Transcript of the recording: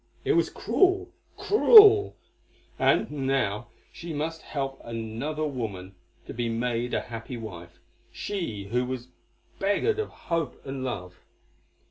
It was cruel, cruel, and now she must help another woman to be made a happy wife, she who was beggared of hope and love.